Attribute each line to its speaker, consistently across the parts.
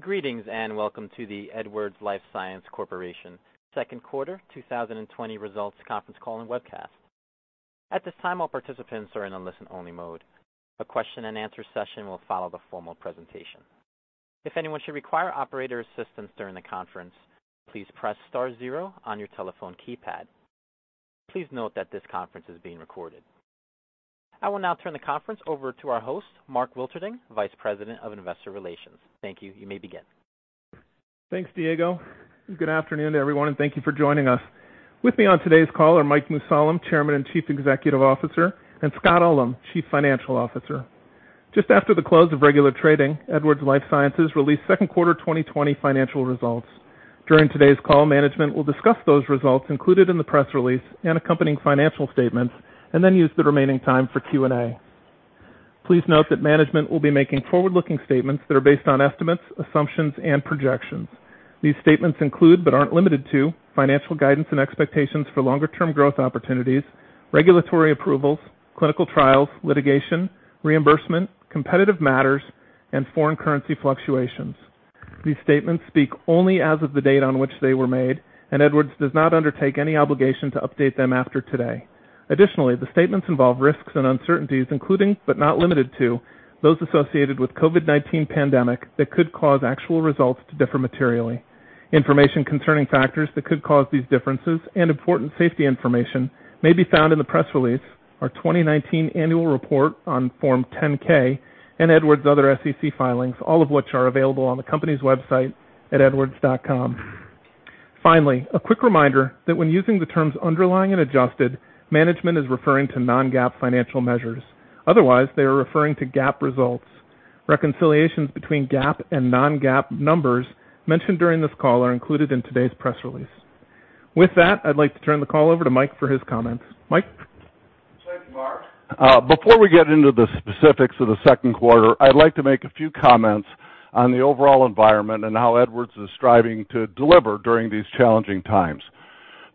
Speaker 1: Greetings welcome to the Edwards Lifesciences Corporation second quarter 2020 results conference call and webcast. At this time all participants are in a listen-only mode. A question and answer session will follow the formal presentation. If anyone should require operator assistance during the conference, please press star zero on your telephone keypad. Please note that this conference is being recorded. I will now turn the conference over to our host, Mark Wilterding, Vice President of Investor Relations. Thank you. You may begin.
Speaker 2: Thanks Diego. Good afternoon, everyone, and thank you for joining us. With me on today's call are Mike Mussallem, Chairman and Chief Executive Officer, and Scott Ullem, Chief Financial Officer. Just after the close of regular trading, Edwards Lifesciences released second quarter 2020 financial results. During today's call, management will discuss those results included in the press release and accompanying financial statements and then use the remaining time for Q&A. Please note that management will be making forward-looking statements that are based on estimates, assumptions, and projections. These statements include, but aren't limited to, financial guidance and expectations for longer-term growth opportunities, regulatory approvals, clinical trials, litigation, reimbursement, competitive matters, and foreign currency fluctuations. These statements speak only as of the date on which they were made and Edwards does not undertake any obligation to update them after today. Additionally, the statements involve risks and uncertainties, including, but not limited to, those associated with COVID-19 pandemic that could cause actual results to differ materially. Information concerning factors that could cause these differences and important safety information may be found in the press release, our 2019 annual report on Form 10-K, and Edwards' other SEC filings, all of which are available on the company's website at edwards.com. Finally, a quick reminder that when using the terms underlying and adjusted, management is referring to non-GAAP financial measures. Otherwise, they are referring to GAAP results. Reconciliations between GAAP and non-GAAP numbers mentioned during this call are included in today's press release. With that, I'd like to turn the call over to Mike for his comments. Mike?
Speaker 3: Thanks Mark. Before we get into the specifics of the second quarter, I'd like to make a few comments on the overall environment and how Edwards is striving to deliver during these challenging times.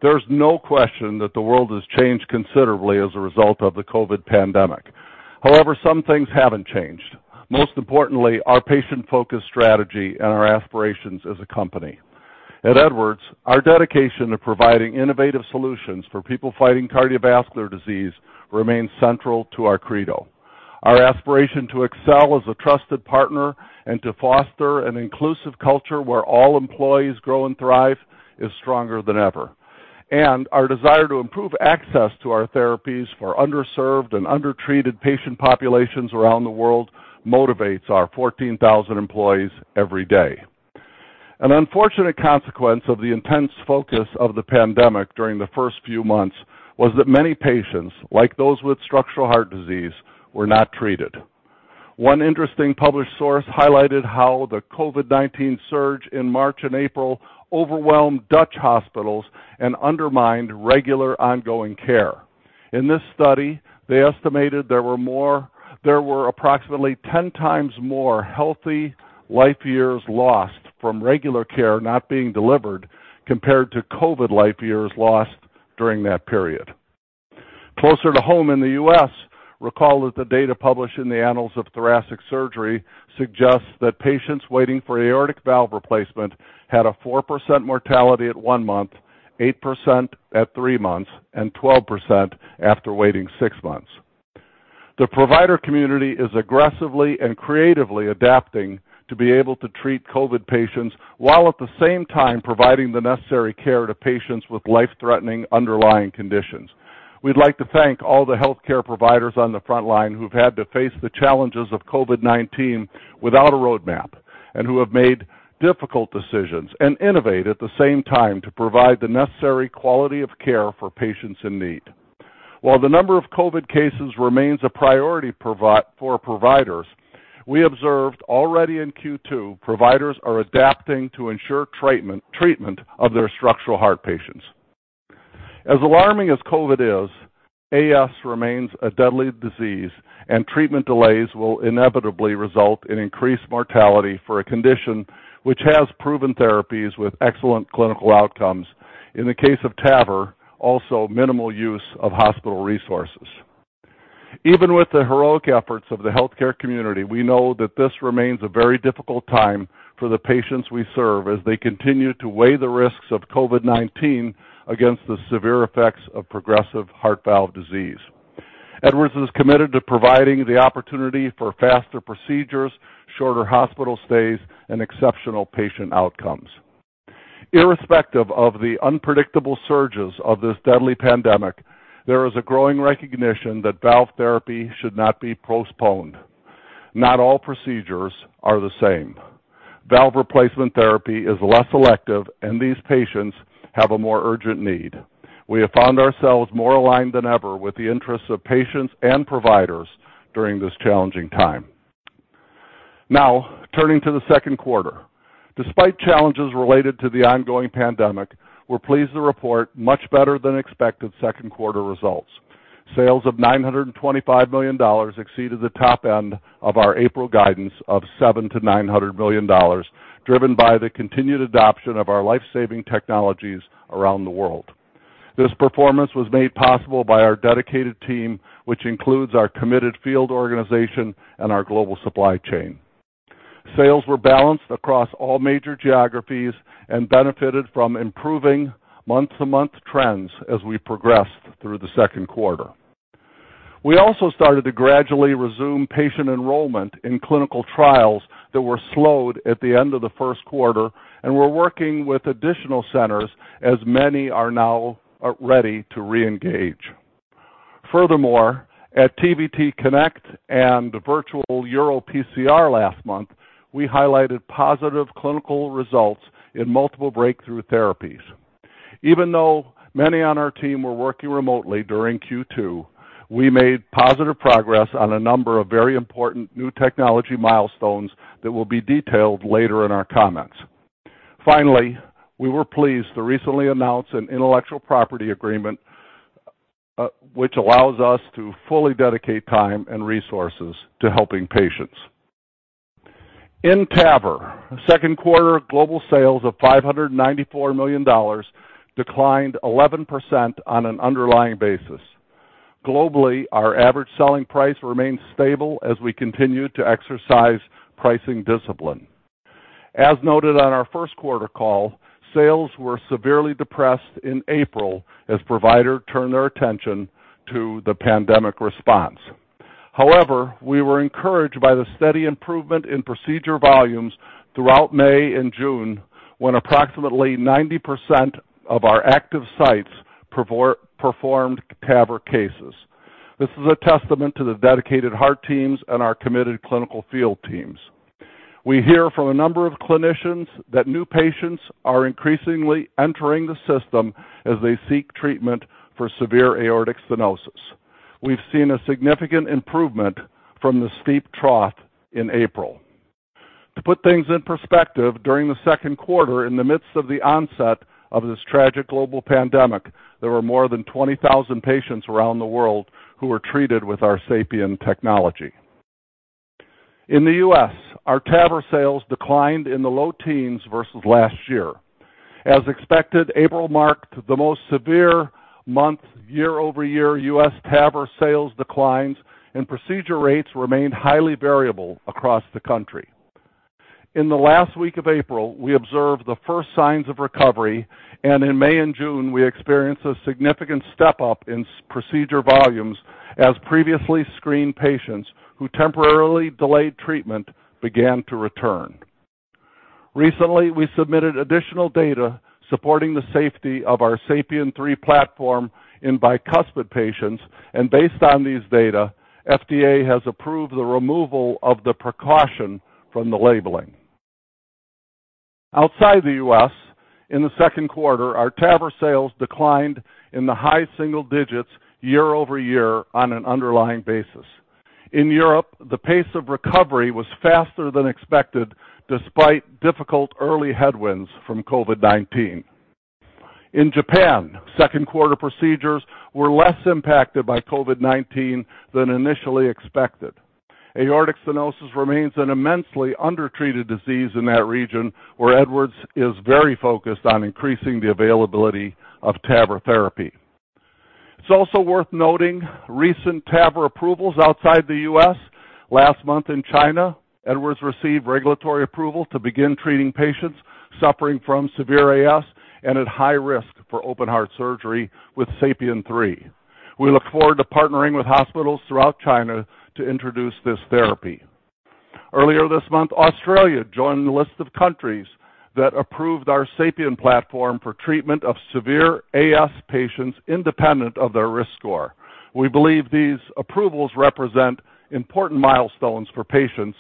Speaker 3: There's no question that the world has changed considerably as a result of the COVID pandemic. Some things haven't changed, most importantly, our patient-focused strategy and our aspirations as a company. At Edwards, our dedication to providing innovative solutions for people fighting cardiovascular disease remains central to our credo. Our aspiration to excel as a trusted partner and to foster an inclusive culture where all employees grow and thrive is stronger than ever. Our desire to improve access to our therapies for underserved and undertreated patient populations around the world motivates our 14,000 employees every day. An unfortunate consequence of the intense focus of the pandemic during the first few months was that many patients, like those with structural heart disease, were not treated. One interesting published source highlighted how the COVID-19 surge in March and April overwhelmed Dutch hospitals and undermined regular ongoing care. In this study, they estimated there were approximately 10 times more healthy life years lost from regular care not being delivered compared to COVID life years lost during that period. Closer to home in the U.S., recall that the data published in The Annals of Thoracic Surgery suggests that patients waiting for aortic valve replacement had a 4% mortality at one month, 8% at three months, and 12% after waiting six months. The provider community is aggressively and creatively adapting to be able to treat COVID patients while at the same time providing the necessary care to patients with life-threatening underlying conditions. We'd like to thank all the healthcare providers on the front line who've had to face the challenges of COVID-19 without a roadmap and who have made difficult decisions and innovate at the same time to provide the necessary quality of care for patients in need. While the number of COVID cases remains a priority for providers, we observed already in Q2, providers are adapting to ensure treatment of their structural heart patients. As alarming as COVID is, AS remains a deadly disease, and treatment delays will inevitably result in increased mortality for a condition which has proven therapies with excellent clinical outcomes. In the case of TAVR, also minimal use of hospital resources. Even with the heroic efforts of the healthcare community, we know that this remains a very difficult time for the patients we serve as they continue to weigh the risks of COVID-19 against the severe effects of progressive heart valve disease. Edwards is committed to providing the opportunity for faster procedures, shorter hospital stays, and exceptional patient outcomes. Irrespective of the unpredictable surges of this deadly pandemic, there is a growing recognition that valve therapy should not be postponed. Not all procedures are the same. Valve replacement therapy is less elective, and these patients have a more urgent need. We have found ourselves more aligned than ever with the interests of patients and providers during this challenging time. Now, turning to the second quarter. Despite challenges related to the ongoing pandemic, we're pleased to report much better than expected second quarter results. Sales of $925 million exceeded the top end of our April guidance of $700 million-$900 million, driven by the continued adoption of our life-saving technologies around the world. This performance was made possible by our dedicated team, which includes our committed field organization and our global supply chain. Sales were balanced across all major geographies and benefited from improving month-to-month trends as we progressed through the second quarter. We also started to gradually resume patient enrollment in clinical trials that were slowed at the end of the first quarter, and we're working with additional centers, as many are now ready to reengage. Furthermore, at TVT Connect and the Virtual EuroPCR last month, we highlighted positive clinical results in multiple breakthrough therapies. Even though many on our team were working remotely during Q2, we made positive progress on a number of very important new technology milestones that will be detailed later in our comments. We were pleased to recently announce an intellectual property agreement, which allows us to fully dedicate time and resources to helping patients. In TAVR, second quarter global sales of $594 million, declined 11% on an underlying basis. Globally, our average selling price remains stable as we continue to exercise pricing discipline. As noted on our first quarter call, sales were severely depressed in April as providers turned their attention to the pandemic response. We were encouraged by the steady improvement in procedure volumes throughout May and June, when approximately 90% of our active sites performed TAVR cases. This is a testament to the dedicated heart teams and our committed clinical field teams. We hear from a number of clinicians that new patients are increasingly entering the system as they seek treatment for severe aortic stenosis. We've seen a significant improvement from the steep trough in April. To put things in perspective, during the second quarter, in the midst of the onset of this tragic global pandemic, there were more than 20,000 patients around the world who were treated with our SAPIEN technology. In the U.S., our TAVR sales declined in the low teens versus last year. As expected, April marked the most severe month year-over-year U.S. TAVR sales declines, and procedure rates remained highly variable across the country. In the last week of April, we observed the first signs of recovery, and in May and June, we experienced a significant step-up in procedure volumes as previously screened patients who temporarily delayed treatment began to return. Recently, we submitted additional data supporting the safety of our SAPIEN 3 platform in bicuspid patients. Based on these data, FDA has approved the removal of the precaution from the labeling. Outside the U.S., in the second quarter, our TAVR sales declined in the high single digits year-over-year on an underlying basis. In Europe, the pace of recovery was faster than expected, despite difficult early headwinds from COVID-19. In Japan, second quarter procedures were less impacted by COVID-19 than initially expected. Aortic stenosis remains an immensely undertreated disease in that region, where Edwards is very focused on increasing the availability of TAVR therapy. It's also worth noting recent TAVR approvals outside the U.S. Last month in China, Edwards received regulatory approval to begin treating patients suffering from severe AS and at high risk for open-heart surgery with SAPIEN 3. We look forward to partnering with hospitals throughout China to introduce this therapy. Earlier this month, Australia joined the list of countries that approved our SAPIEN platform for treatment of severe AS patients independent of their risk score. We believe these approvals represent important milestones for patients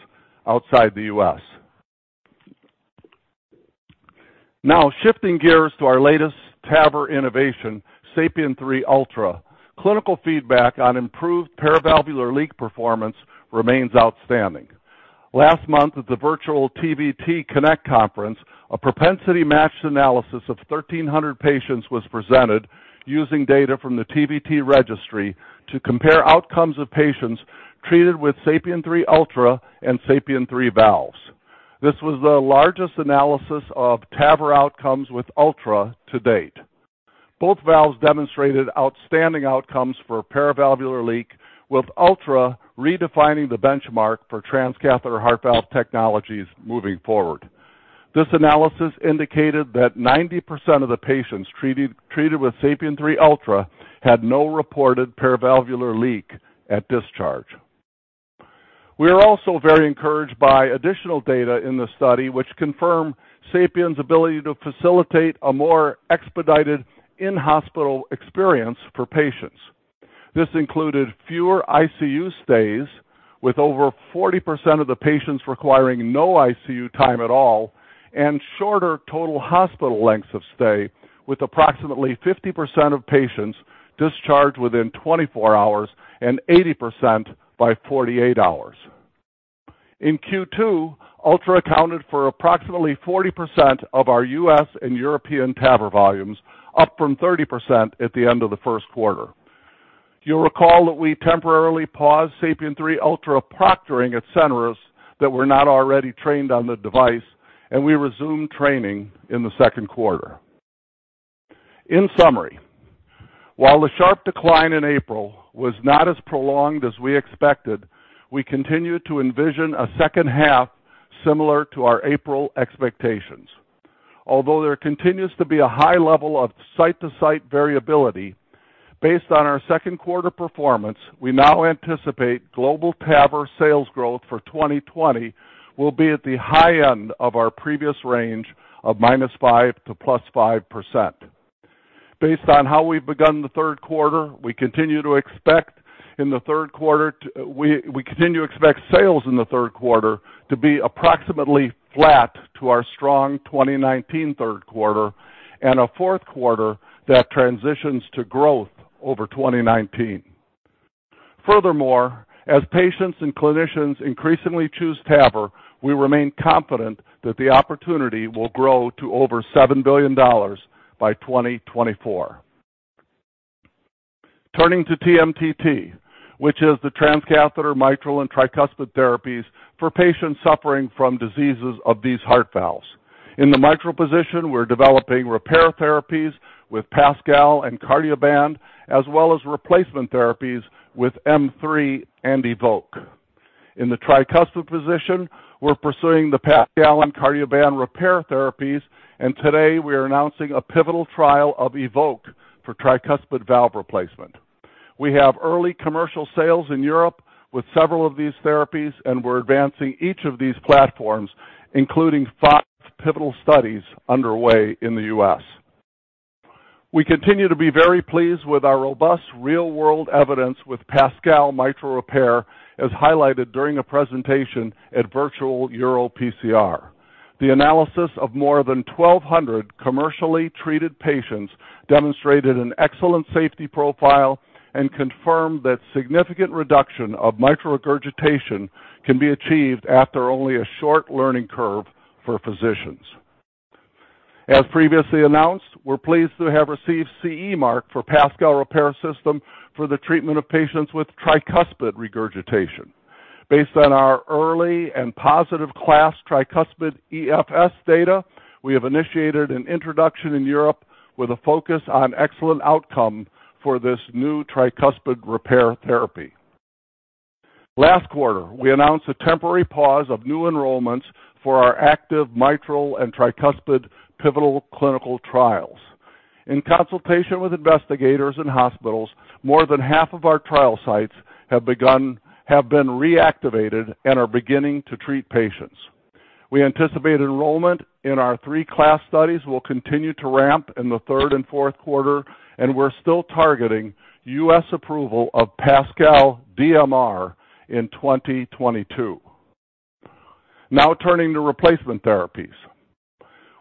Speaker 3: outside the U.S. Now shifting gears to our latest TAVR innovation, SAPIEN 3 Ultra. Clinical feedback on improved paravalvular leak performance remains outstanding. Last month at the virtual TVT Connect conference, a propensity-matched analysis of 1,300 patients was presented using data from the TVT Registry to compare outcomes of patients treated with SAPIEN 3 Ultra and SAPIEN 3 valves. This was the largest analysis of TAVR outcomes with Ultra to date. Both valves demonstrated outstanding outcomes for paravalvular leak, with Ultra redefining the benchmark for transcatheter heart valve technologies moving forward. This analysis indicated that 90% of the patients treated with SAPIEN 3 Ultra had no reported paravalvular leak at discharge. We are also very encouraged by additional data in the study, which confirm SAPIEN's ability to facilitate a more expedited in-hospital experience for patients. This included fewer ICU stays, with over 40% of the patients requiring no ICU time at all, and shorter total hospital lengths of stay, with approximately 50% of patients discharged within 24 hours and 80% by 48 hours. In Q2, Ultra accounted for approximately 40% of our U.S. and European TAVR volumes, up from 30% at the end of the first quarter. You'll recall that we temporarily paused SAPIEN 3 Ultra proctoring at centers that were not already trained on the device, and we resumed training in the second quarter. In summary, while the sharp decline in April was not as prolonged as we expected, we continue to envision a second half similar to our April expectations. Although there continues to be a high level of site-to-site variability, based on our second quarter performance, we now anticipate global TAVR sales growth for 2020 will be at the high end of our previous range of 5%- to 5%+. Based on how we've begun the third quarter, we continue to expect sales in the third quarter to be approximately flat to our strong 2019 third quarter, and a fourth quarter that transitions to growth over 2019. As patients and clinicians increasingly choose TAVR, we remain confident that the opportunity will grow to over $7 billion by 2024. Turning to TMTT, which is the transcatheter mitral and tricuspid therapies for patients suffering from diseases of these heart valves. In the mitral position, we're developing repair therapies with PASCAL and Cardioband, as well as replacement therapies with M3 and EVOQUE. In the tricuspid position, we're pursuing the PASCAL and Cardioband repair therapies, and today we are announcing a pivotal trial of EVOQUE for tricuspid valve replacement. We have early commercial sales in Europe with several of these therapies, and we're advancing each of these platforms, including five pivotal studies underway in the U.S. We continue to be very pleased with our robust real-world evidence with PASCAL mitral repair, as highlighted during a presentation at Virtual EuroPCR. The analysis of more than 1,200 commercially treated patients demonstrated an excellent safety profile and confirmed that significant reduction of mitral regurgitation can be achieved after only a short learning curve for physicians. As previously announced, we're pleased to have received CE mark for PASCAL repair system for the treatment of patients with tricuspid regurgitation. Based on our early and positive CLASP tricuspid EFS data, we have initiated an introduction in Europe with a focus on excellent outcome for this new tricuspid repair therapy. Last quarter, we announced a temporary pause of new enrollments for our active mitral and tricuspid pivotal clinical trials. In consultation with investigators and hospitals, more than half of our trial sites have been reactivated and are beginning to treat patients. We anticipate enrollment in our three CLASP studies will continue to ramp in the third and fourth quarter, and we're still targeting U.S. approval of PASCAL DMR in 2022. Turning to replacement therapies.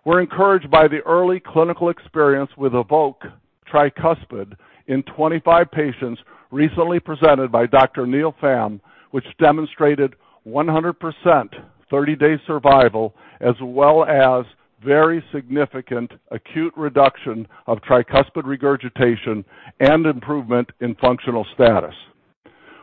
Speaker 3: We're encouraged by the early clinical experience with EVOQUE Tricuspid in 25 patients recently presented by Dr. Neil Fam, which demonstrated 100% 30-day survival, as well as very significant acute reduction of tricuspid regurgitation and improvement in functional status.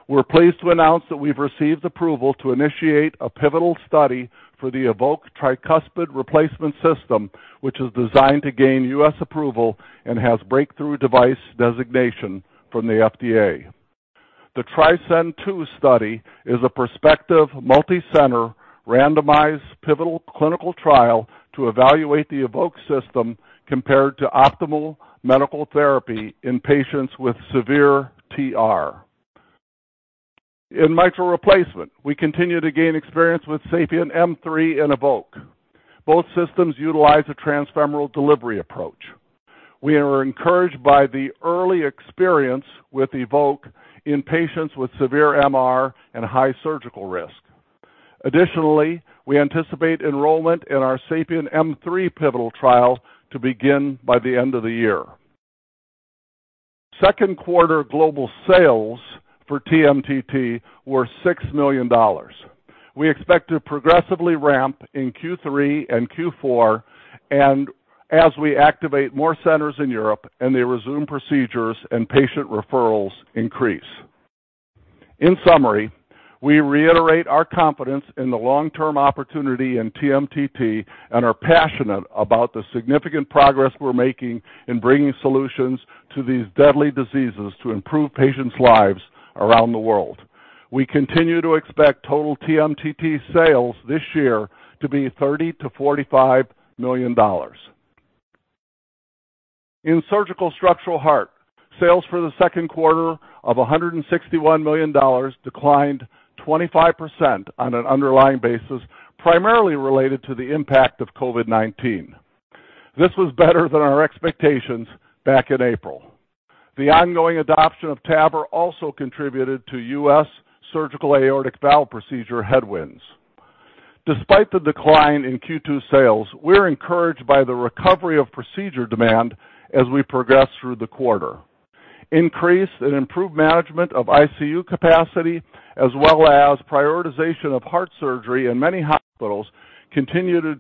Speaker 3: We're pleased to announce that we've received approval to initiate a pivotal study for the EVOQUE Tricuspid replacement system, which is designed to gain U.S. approval and has breakthrough device designation from the FDA. The TRISCEND II study is a prospective, multicenter, randomized, pivotal clinical trial to evaluate the EVOQUE system compared to optimal medical therapy in patients with severe TR. In mitral replacement, we continue to gain experience with SAPIEN M3 and EVOQUE. Both systems utilize a transfemoral delivery approach. We are encouraged by the early experience with EVOQUE in patients with severe MR and high surgical risk. Additionally, we anticipate enrollment in our SAPIEN M3 pivotal trial to begin by the end of the year. Second quarter global sales for TMTT were $6 million. We expect to progressively ramp in Q3 and Q4, as we activate more centers in Europe and the resume procedures and patient referrals increase. In summary, we reiterate our confidence in the long-term opportunity in TMTT and are passionate about the significant progress we're making in bringing solutions to these deadly diseases to improve patients' lives around the world. We continue to expect total TMTT sales this year to be $30 million-$45 million. In Surgical Structural Heart, sales for the second quarter of $161 million declined 25% on an underlying basis, primarily related to the impact of COVID-19. This was better than our expectations back in April. The ongoing adoption of TAVR also contributed to U.S. surgical aortic valve procedure headwinds. Despite the decline in Q2 sales, we're encouraged by the recovery of procedure demand as we progress through the quarter. Increase in improved management of ICU capacity, as well as prioritization of heart surgery in many hospitals, contributed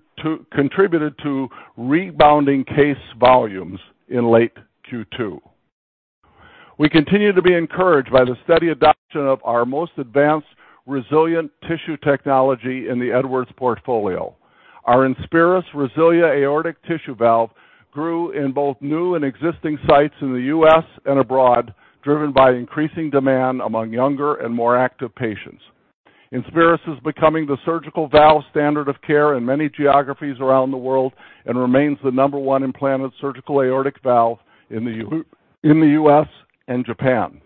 Speaker 3: to rebounding case volumes in late Q2. We continue to be encouraged by the steady adoption of our most advanced resilient tissue technology in the Edwards portfolio. Our INSPIRIS RESILIA aortic tissue valve grew in both new and existing sites in the U.S. and abroad, driven by increasing demand among younger and more active patients. INSPIRIS is becoming the surgical valve standard of care in many geographies around the world and remains the number one implanted surgical aortic valve in the U.S. and Japan.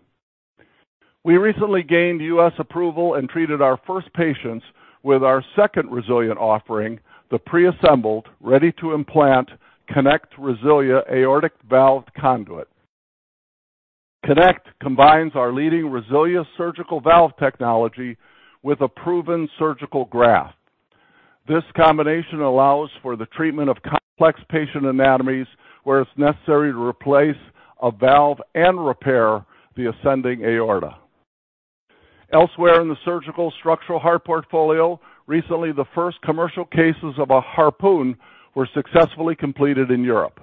Speaker 3: We recently gained U.S. approval and treated our first patients with our second Resilient offering, the preassembled, ready to implant KONECT RESILIA aortic valve conduit. Connect combines our leading RESILIA surgical valve technology with a proven surgical graft. This combination allows for the treatment of complex patient anatomies where it's necessary to replace a valve and repair the ascending aorta. Elsewhere in the surgical structural heart portfolio, recently, the first commercial cases of a HARPOON were successfully completed in Europe.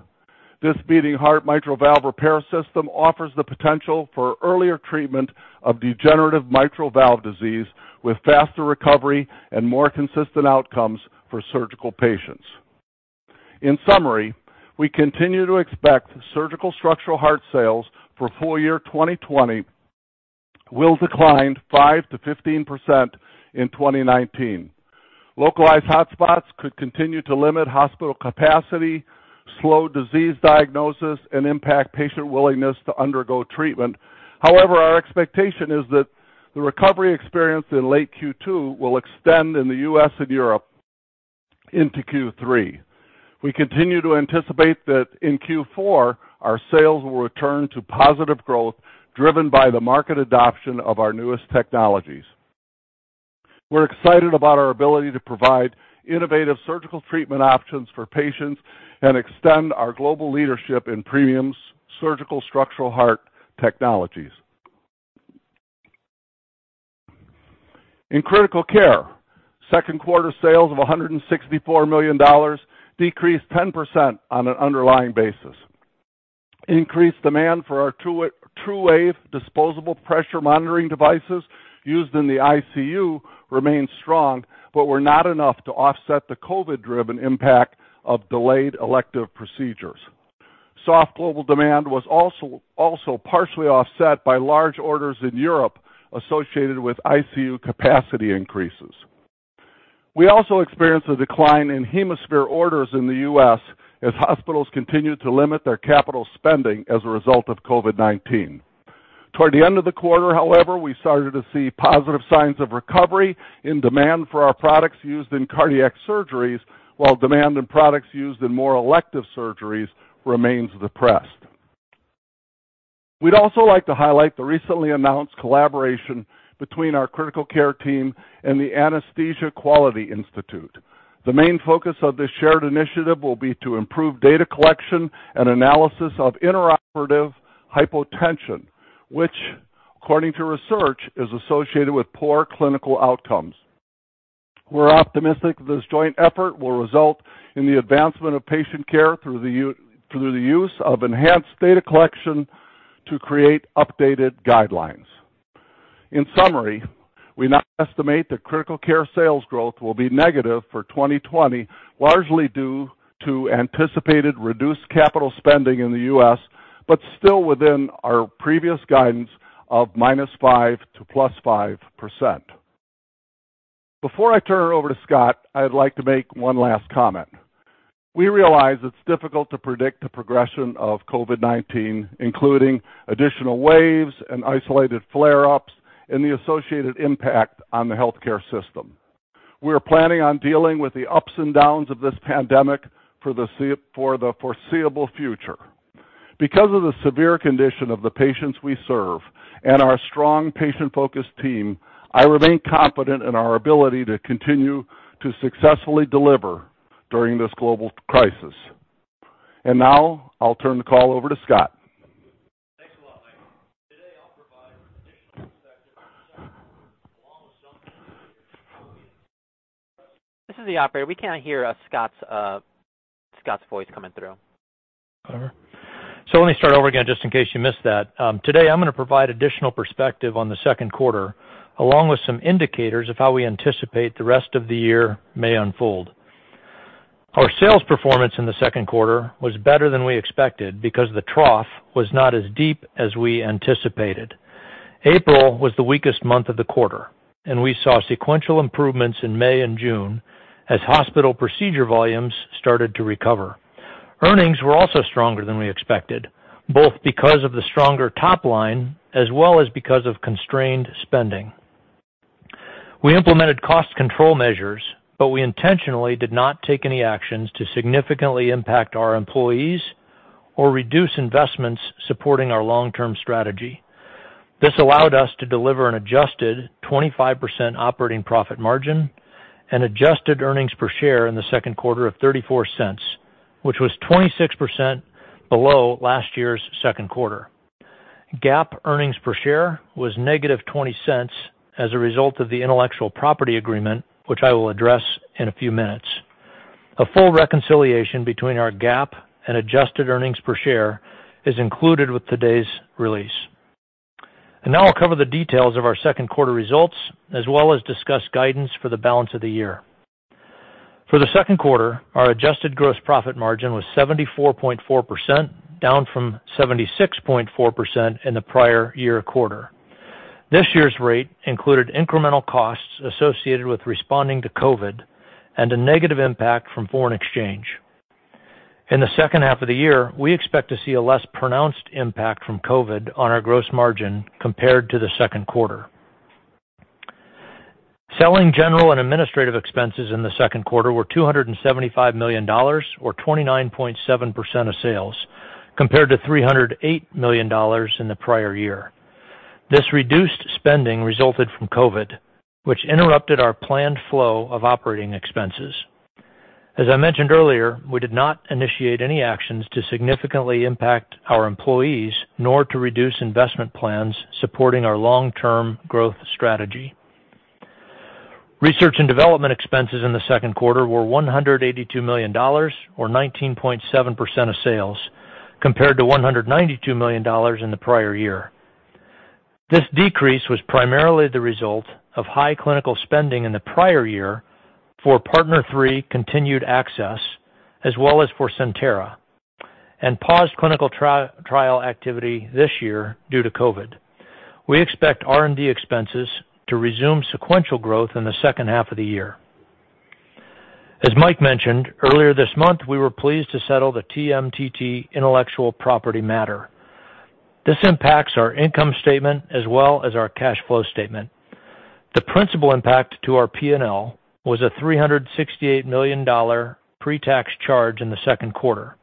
Speaker 3: This beating heart mitral valve repair system offers the potential for earlier treatment of degenerative mitral valve disease with faster recovery and more consistent outcomes for surgical patients. In summary, we continue to expect surgical structural heart sales for full year 2020 will decline 5%-15% in 2019. Localized hotspots could continue to limit hospital capacity, slow disease diagnosis, and impact patient willingness to undergo treatment. Our expectation is that the recovery experience in late Q2 will extend in the U.S. and Europe into Q3. We continue to anticipate that in Q4, our sales will return to positive growth, driven by the market adoption of our newest technologies. We're excited about our ability to provide innovative surgical treatment options for patients and extend our global leadership in premium surgical structural heart technologies. In critical care, second quarter sales of $164 million decreased 10% on an underlying basis. Increased demand for our TruWave disposable pressure monitoring devices used in the ICU remained strong, but were not enough to offset the COVID-driven impact of delayed elective procedures. Soft global demand was also partially offset by large orders in Europe associated with ICU capacity increases. We also experienced a decline in HemoSphere orders in the U.S. as hospitals continued to limit their capital spending as a result of COVID-19. Toward the end of the quarter, however, we started to see positive signs of recovery in demand for our products used in cardiac surgeries, while demand in products used in more elective surgeries remains depressed. We'd also like to highlight the recently announced collaboration between our critical care team and the Anesthesia Quality Institute. The main focus of this shared initiative will be to improve data collection and analysis of intraoperative hypotension, which, according to research, is associated with poor clinical outcomes. We're optimistic this joint effort will result in the advancement of patient care through the use of enhanced data collection to create updated guidelines. In summary, we now estimate that critical care sales growth will be negative for 2020, largely due to anticipated reduced capital spending in the U.S., but still within our previous guidance of 5%- to 5%+. Before I turn it over to Scott, I'd like to make one last comment. We realize it's difficult to predict the progression of COVID-19, including additional waves and isolated flare-ups, and the associated impact on the healthcare system. We are planning on dealing with the ups and downs of this pandemic for the foreseeable future. Because of the severe condition of the patients we serve and our strong patient-focused team, I remain confident in our ability to continue to successfully deliver during this global crisis. Now I'll turn the call over to Scott.
Speaker 4: Thanks a lot Mike. Today, I'll provide additional perspective on the second quarter, along with some indicators of how we anticipate-
Speaker 1: This is the operator. We can't hear Scott's voice coming through.
Speaker 4: Let me start over again, just in case you missed that. Today I'm going to provide additional perspective on the second quarter, along with some indicators of how we anticipate the rest of the year may unfold. Our sales performance in the second quarter was better than we expected because the trough was not as deep as we anticipated. April was the weakest month of the quarter. We saw sequential improvements in May and June as hospital procedure volumes started to recover. Earnings were also stronger than we expected, both because of the stronger top line as well as because of constrained spending. We implemented cost control measures. We intentionally did not take any actions to significantly impact our employees or reduce investments supporting our long-term strategy. This allowed us to deliver an adjusted 25% operating profit margin and adjusted earnings per share in the second quarter of $0.34, which was 26% below last year's second quarter. GAAP earnings per share was -$0.20 as a result of the intellectual property agreement, which I will address in a few minutes. A full reconciliation between our GAAP and adjusted earnings per share is included with today's release. Now I'll cover the details of our second quarter results, as well as discuss guidance for the balance of the year. For the second quarter, our adjusted gross profit margin was 74.4%, down from 76.4% in the prior year quarter. This year's rate included incremental costs associated with responding to COVID and a negative impact from foreign exchange. In the second half of the year, we expect to see a less pronounced impact from COVID on our gross margin compared to the second quarter. Selling, general, and administrative expenses in the second quarter were $275 million, or 29.7% of sales, compared to $308 million in the prior year. This reduced spending resulted from COVID, which interrupted our planned flow of operating expenses. As I mentioned earlier, we did not initiate any actions to significantly impact our employees, nor to reduce investment plans supporting our long-term growth strategy. Research and development expenses in the second quarter were $182 million, or 19.7% of sales, compared to $192 million in the prior year. This decrease was primarily the result of high clinical spending in the prior year for PARTNER 3 continued access, as well as for CENTERA, and paused clinical trial activity this year due to COVID. We expect R&D expenses to resume sequential growth in the second half of the year. As Mike mentioned, earlier this month, we were pleased to settle the TMTT intellectual property matter. This impacts our income statement as well as our cash flow statement. The principal impact to our P&L was a $368 million pre-tax charge in the second quarter.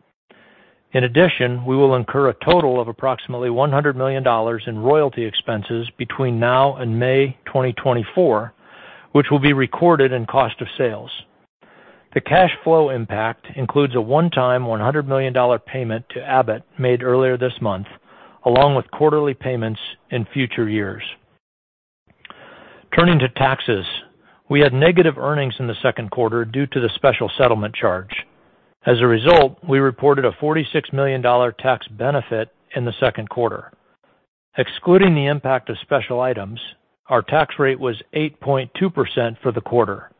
Speaker 4: In addition, we will incur a total of approximately $100 million in royalty expenses between now and May 2024, which will be recorded in cost of sales. The cash flow impact includes a one-time $100 million payment to Abbott made earlier this month, along with quarterly payments in future years. Turning to taxes, we had negative earnings in the second quarter due to the special settlement charge. As a result, we reported a $46 million tax benefit in the second quarter. Excluding the impact of special items, our tax rate was 8.2% for the quarter.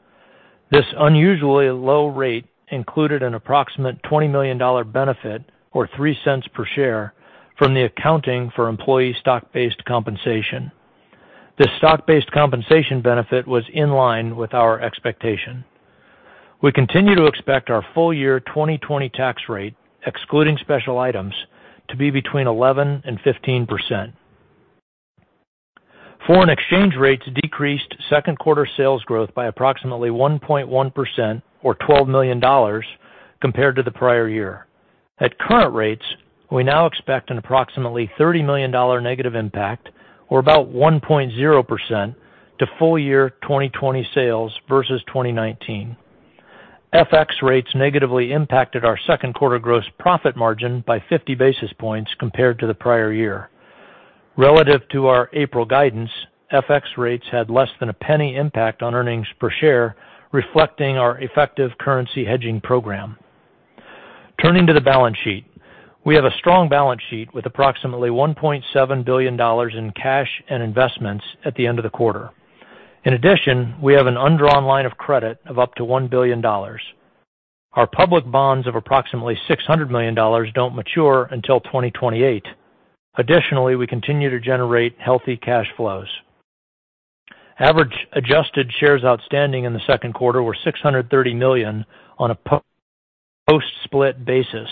Speaker 4: This unusually low rate included an approximate $20 million benefit or $0.03 per share from the accounting for employee stock-based compensation. This stock-based compensation benefit was in line with our expectation. We continue to expect our full-year 2020 tax rate, excluding special items, to be between 11% and 15%. Foreign exchange rates decreased second quarter sales growth by approximately 1.1%, or $12 million, compared to the prior year. At current rates, we now expect an approximately $30 million negative impact, or about 1.0%, to full-year 2020 sales versus 2019. FX rates negatively impacted our second quarter gross profit margin by 50 basis points compared to the prior year. Relative to our April guidance, FX rates had less than $0.01 impact on earnings per share, reflecting our effective currency hedging program. Turning to the balance sheet. We have a strong balance sheet with approximately $1.7 billion in cash and investments at the end of the quarter. In addition, we have an undrawn line of credit of up to $1 billion. Our public bonds of approximately $600 million don't mature until 2028. Additionally, we continue to generate healthy cash flows. Average adjusted shares outstanding in the second quarter were 630 million on a post-split basis,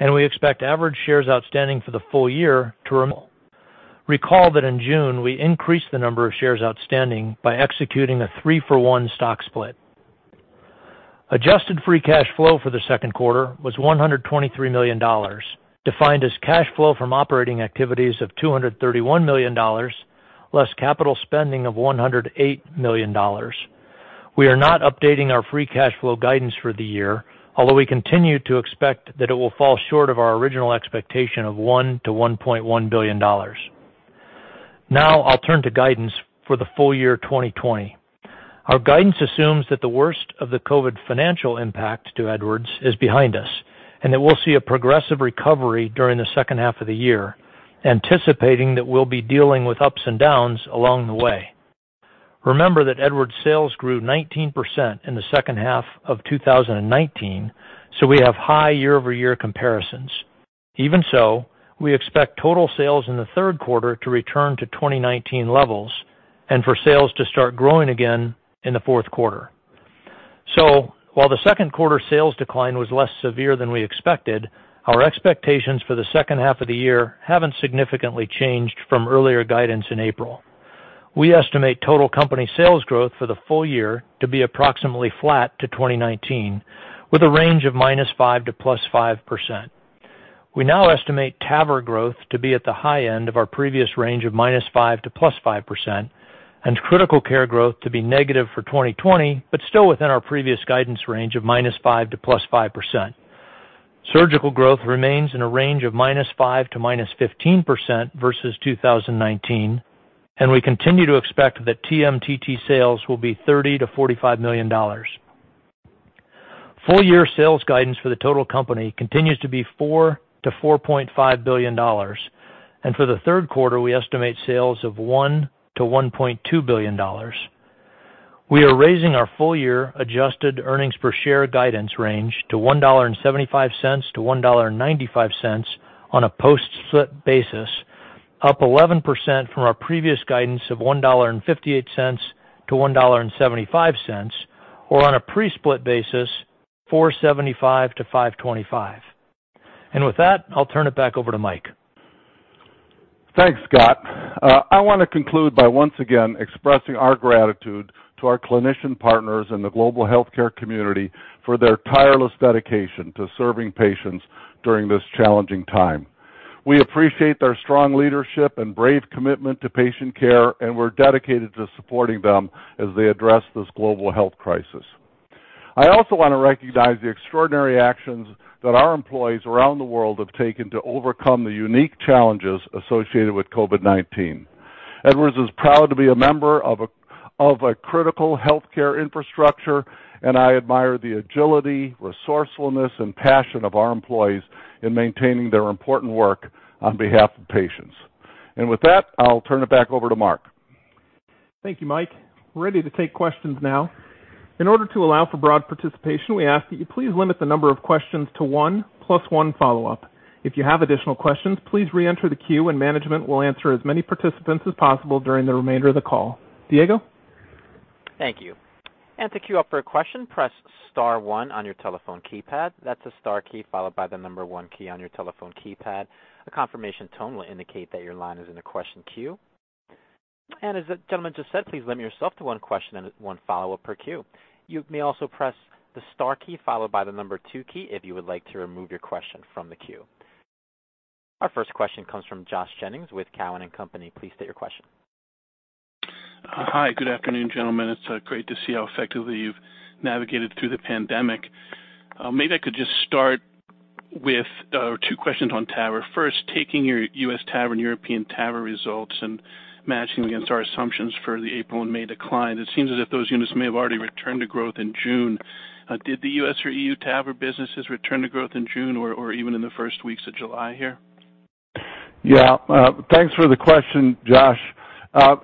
Speaker 4: and we expect average shares outstanding for the full year to recall that in June, we increased the number of shares outstanding by executing a 3-for-1 stock split. Adjusted free cash flow for the second quarter was $123 million, defined as cash flow from operating activities of $231 million, less capital spending of $108 million. We are not updating our free cash flow guidance for the year, although we continue to expect that it will fall short of our original expectation of $1 billion-$1.1 billion. I'll turn to guidance for the full year 2020. Our guidance assumes that the worst of the COVID financial impact to Edwards is behind us, and that we'll see a progressive recovery during the second half of the year, anticipating that we'll be dealing with ups and downs along the way. Remember that Edwards sales grew 19% in the second half of 2019, we have high year-over-year comparisons. We expect total sales in the third quarter to return to 2019 levels and for sales to start growing again in the fourth quarter. While the second quarter sales decline was less severe than we expected, our expectations for the second half of the year haven't significantly changed from earlier guidance in April. We estimate total company sales growth for the full year to be approximately flat to 2019, with a range of 5%- to 5%+. We now estimate TAVR growth to be at the high end of our previous range of 5%- to 5%+, and Critical Care growth to be negative for 2020, but still within our previous guidance range of 5%- to 5%+. Surgical growth remains in a range of 5%- to 15%- versus 2019, and we continue to expect that TMTT sales will be $30 million-$45 million. Full-year sales guidance for the total company continues to be $4 billion-$4.5 billion. For the third quarter, we estimate sales of $1 billion-$1.2 billion. We are raising our full-year adjusted earnings per share guidance range to $1.75-$1.95 on a post-split basis, up 11% from our previous guidance of $1.58-$1.75, or on a pre-split basis, $4.75-$5.25. With that, I'll turn it back over to Mike.
Speaker 3: Thanks Scott. I want to conclude by once again expressing our gratitude to our clinician partners in the global healthcare community for their tireless dedication to serving patients during this challenging time. We appreciate their strong leadership and brave commitment to patient care, and we're dedicated to supporting them as they address this global health crisis. I also want to recognize the extraordinary actions that our employees around the world have taken to overcome the unique challenges associated with COVID-19. Edwards is proud to be a member of a critical healthcare infrastructure, and I admire the agility, resourcefulness, and passion of our employees in maintaining their important work on behalf of patients. With that, I'll turn it back over to Mark.
Speaker 2: Thank you Mike. We're ready to take questions now. In order to allow for broad participation, we ask that you please limit the number of questions to one, plus one follow-up. If you have additional questions, please re-enter the queue and management will answer as many participants as possible during the remainder of the call. Diego?
Speaker 1: Thank you. To queue up for a question, press star one on your telephone keypad. That's the star key followed by the number one key on your telephone keypad. A confirmation tone will indicate that your line is in the question queue. As the gentleman just said, please limit yourself to one question and one follow-up per queue. You may also press the star key followed by the number two key if you would like to remove your question from the queue. Our first question comes from Josh Jennings with Cowen and Company. Please state your question.
Speaker 5: Hi good afternoon gentlemen. It's great to see how effectively you've navigated through the pandemic. Maybe I could just start with two questions on TAVR. First, taking your U.S. TAVR and European TAVR results and matching against our assumptions for the April and May decline, it seems as if those units may have already returned to growth in June. Did the U.S. or E.U. TAVR businesses return to growth in June or even in the first weeks of July here?
Speaker 3: Thanks for the question Josh.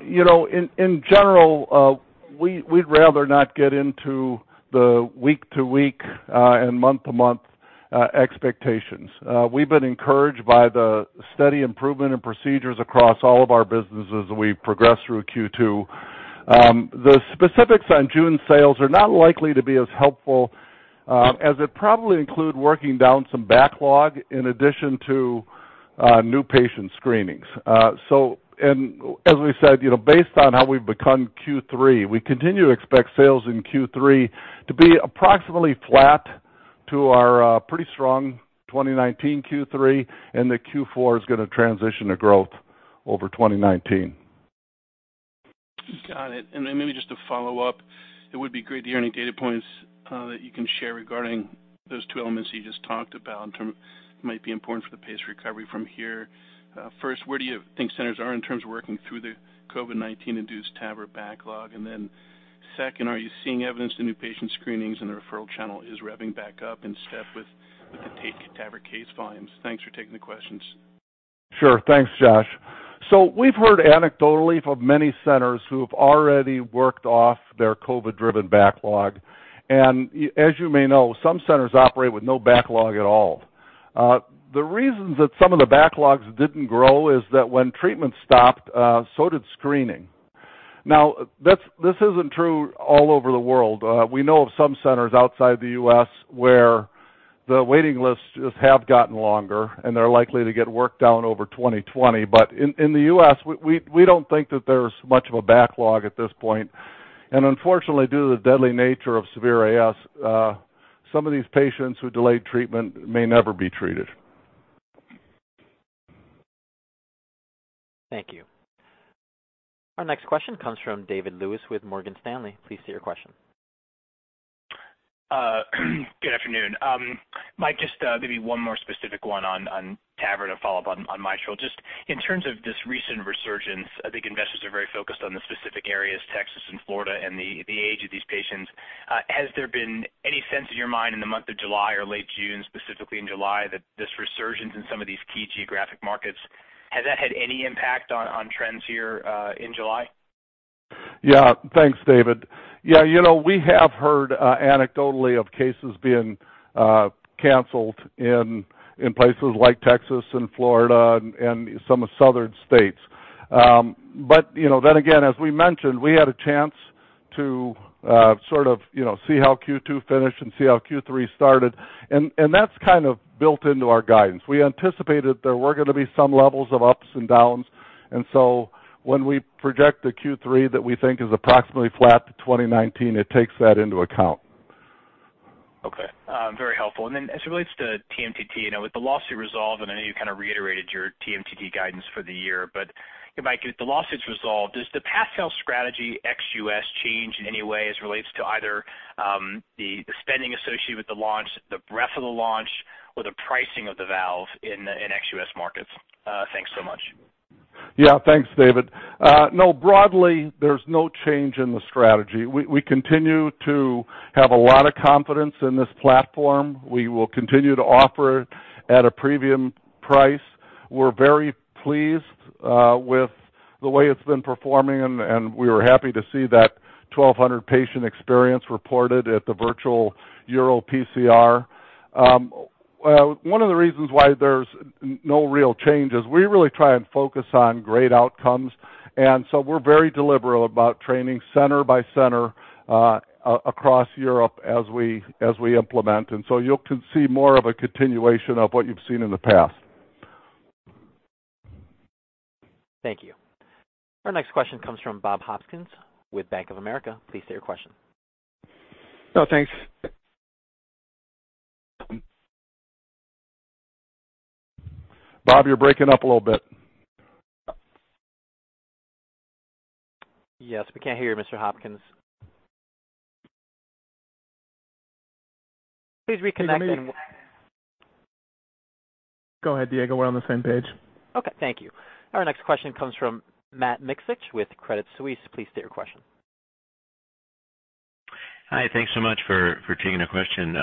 Speaker 3: In general, we'd rather not get into the week-to-week and month-to-month expectations. We've been encouraged by the steady improvement in procedures across all of our businesses as we progress through Q2. The specifics on June sales are not likely to be as helpful, as it probably include working down some backlog in addition to new patient screenings. As we said, based on how we've begun Q3, we continue to expect sales in Q3 to be approximately flat to our pretty strong 2019 Q3, and the Q4 is going to transition to growth over 2019.
Speaker 5: Got it. Maybe just to follow up, it would be great to hear any data points that you can share regarding those two elements you just talked about in terms of might be important for the pace of recovery from here. First, where do you think centers are in terms of working through the COVID-19-induced TAVR backlog? Second, are you seeing evidence the new patient screenings and the referral channel is revving back up in step with the TAVR case volumes? Thanks for taking the questions.
Speaker 3: Sure. Thanks Josh. We've heard anecdotally from many centers who have already worked off their COVID-driven backlog. As you may know, some centers operate with no backlog at all. The reasons that some of the backlogs didn't grow is that when treatment stopped, so did screening. This isn't true all over the world. We know of some centers outside the U.S. where the waiting lists have gotten longer, and they're likely to get worked down over 2020. In the U.S., we don't think that there's much of a backlog at this point. Unfortunately, due to the deadly nature of severe AS, some of these patients who delayed treatment may never be treated.
Speaker 1: Thank you. Our next question comes from David Lewis with Morgan Stanley. Please state your question.
Speaker 6: Good afternoon. Mike, just maybe one more specific one on TAVR and a follow-up on Mitral. Just in terms of this recent resurgence, I think investors are very focused on the specific areas, Texas and Florida, and the age of these patients. Has there been any sense in your mind in the month of July or late June, specifically in July, that this resurgence in some of these key geographic markets, has that had any impact on trends here in July?
Speaker 3: Yeah. Thanks David. We have heard anecdotally of cases being canceled in places like Texas and Florida and some southern states. As we mentioned, we had a chance to sort of see how Q2 finished and see how Q3 started, and that's kind of built into our guidance. We anticipated there were going to be some levels of ups and downs. When we project a Q3 that we think is approximately flat to 2019, it takes that into account.
Speaker 6: Okay. Very helpful. As it relates to TMTT, with the lawsuit resolved, I know you kind of reiterated your TMTT guidance for the year. Mike, with the lawsuits resolved, does the path sales strategy ex-U.S. change in any way as it relates to either the spending associated with the launch, the breadth of the launch, or the pricing of the valve in ex-U.S. markets? Thanks so much.
Speaker 3: Yeah. Thanks David. No, broadly, there's no change in the strategy. We continue to have a lot of confidence in this platform. We will continue to offer it at a premium price. We're very pleased with the way it's been performing, and we were happy to see that 1,200 patient experience reported at the virtual EuroPCR. One of the reasons why there's no real change is we really try and focus on great outcomes. We're very deliberate about training center by center across Europe as we implement. You'll see more of a continuation of what you've seen in the past.
Speaker 1: Thank you. Our next question comes from Bob Hopkins with Bank of America. Please state your question.
Speaker 7: No, thanks.
Speaker 3: Bob, you're breaking up a little bit.
Speaker 1: Yes, we can't hear Mr. Hopkins. Please reconnect. Can you hear me?
Speaker 3: Go ahead, Diego. We're on the same page.
Speaker 1: Okay. Thank you. Our next question comes from Matt Miksic with Credit Suisse. Please state your question.
Speaker 8: Hi. Thanks so much for taking a question.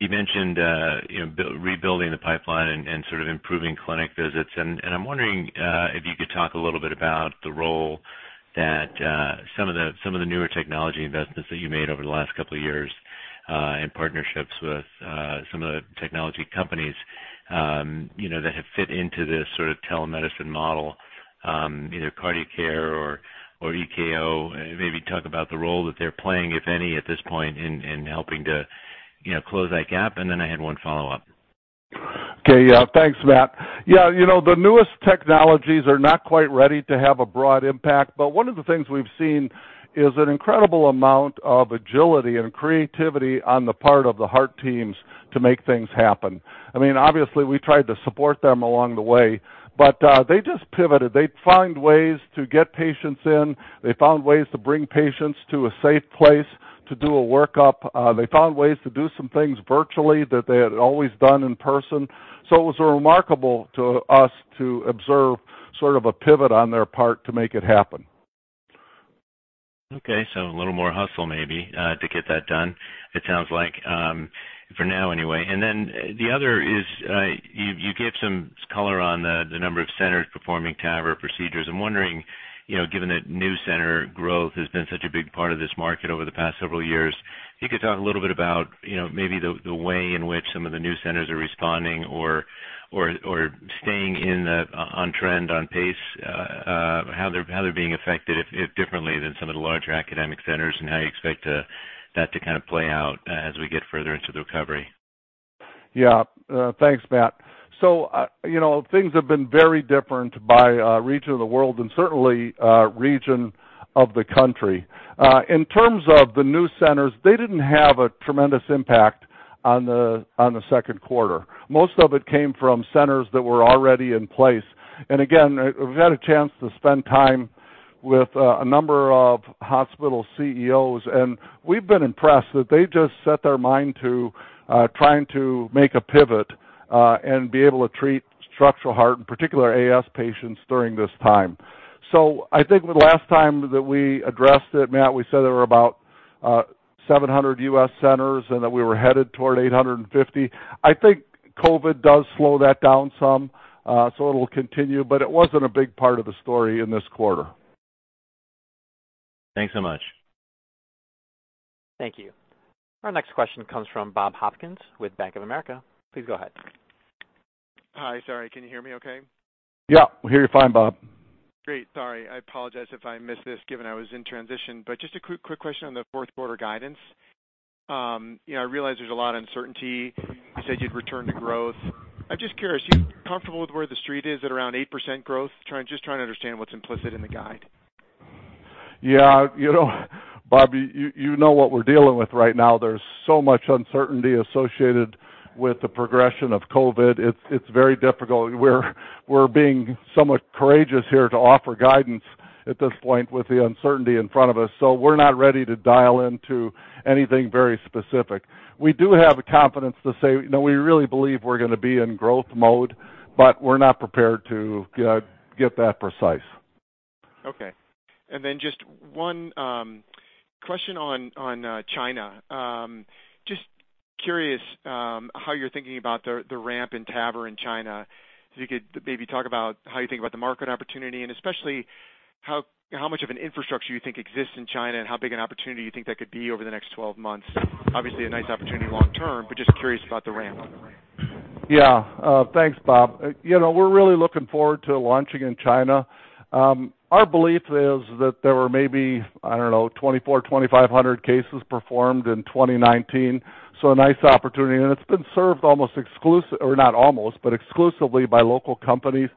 Speaker 8: You mentioned rebuilding the pipeline and sort of improving clinic visits, and I'm wondering if you could talk a little bit about the role that some of the newer technology investments that you made over the last couple of years in partnerships with some of the technology companies that have fit into this sort of telemedicine model, either cardiac care or Eko. Maybe talk about the role that they're playing, if any, at this point in helping to close that gap. I had one follow-up.
Speaker 3: Okay. Thanks Matt. The newest technologies are not quite ready to have a broad impact. One of the things we've seen is an incredible amount of agility and creativity on the part of the heart teams to make things happen. Obviously, we tried to support them along the way, they just pivoted. They find ways to get patients in. They found ways to bring patients to a safe place to do a workup. They found ways to do some things virtually that they had always done in person. It was remarkable to us to observe sort of a pivot on their part to make it happen.
Speaker 8: Okay. A little more hustle maybe to get that done, it sounds like, for now anyway. The other is, you gave some color on the number of centers performing TAVR procedures. I'm wondering, given that new center growth has been such a big part of this market over the past several years, if you could talk a little bit about maybe the way in which some of the new centers are responding or staying on trend, on pace, how they're being affected differently than some of the larger academic centers, and how you expect that to kind of play out as we get further into the recovery.
Speaker 3: Yeah. Thanks Matt. Things have been very different by region of the world, and certainly region of the country. In terms of the new centers, they didn't have a tremendous impact on the second quarter. Most of it came from centers that were already in place. Again, we've had a chance to spend time with a number of hospital CEOs, and we've been impressed that they just set their mind to trying to make a pivot and be able to treat structural heart, in particular AS patients during this time. I think the last time that we addressed it, Matt, we said there were about 700 U.S. centers and that we were headed toward 850 centers. I think COVID does slow that down some, so it'll continue, but it wasn't a big part of the story in this quarter.
Speaker 8: Thanks so much.
Speaker 1: Thank you. Our next question comes from Bob Hopkins with Bank of America. Please go ahead.
Speaker 7: Hi. Sorry. Can you hear me okay?
Speaker 3: Yeah. We hear you fine Bob.
Speaker 7: Great. Sorry. I apologize if I missed this given I was in transition, but just a quick question on the fourth quarter guidance. I realize there's a lot of uncertainty. You said you'd return to growth. I'm just curious, are you comfortable with where the street is at around 8% growth? Just trying to understand what's implicit in the guide.
Speaker 3: Yeah. Bob, you know what we're dealing with right now. There's so much uncertainty associated with the progression of COVID. It's very difficult. We're being somewhat courageous here to offer guidance at this point with the uncertainty in front of us. We're not ready to dial into anything very specific. We do have the confidence to say we really believe we're going to be in growth mode, but we're not prepared to get that precise.
Speaker 7: Okay. Just one question on China. Just curious how you're thinking about the ramp in TAVR in China. If you could maybe talk about how you think about the market opportunity and especially how much of an infrastructure you think exists in China and how big an opportunity you think that could be over the next 12 months. Obviously a nice opportunity long term, but just curious about the ramp.
Speaker 3: Yeah. Thanks Bob. We're really looking forward to launching in China. Our belief is that there were maybe, I don't know, 2,400 or 2,500 cases performed in 2019. A nice opportunity. It's been served almost exclusively or not almost, but exclusively by local companies.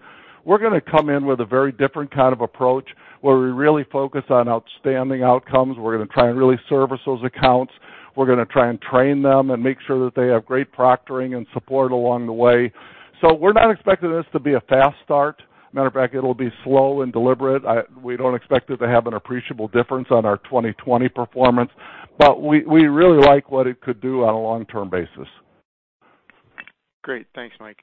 Speaker 3: We're going to come in with a very different kind of approach where we really focus on outstanding outcomes. We're going to try and really service those accounts. We're going to try and train them and make sure that they have great proctoring and support along the way. We're not expecting this to be a fast start. Matter of fact, it'll be slow and deliberate. We don't expect it to have an appreciable difference on our 2020 performance. We really like what it could do on a long-term basis.
Speaker 7: Great. Thanks Mike.